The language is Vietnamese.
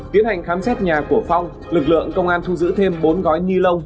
tiến hành khám xét nhà của phong lực lượng công an thu giữ thêm bốn gói ni lông